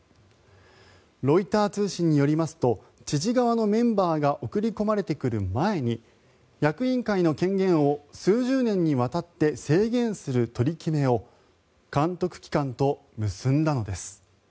ロイター通信によりますと知事側のメンバーが送り込まれてくる前に役員会の権限を数十年にわたって制限する取り決めを監督機関と結んだのです。